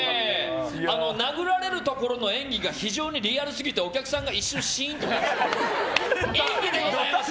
殴られるところの演技が非常にリアルすぎてお客さんが一瞬シーンとなってましたね。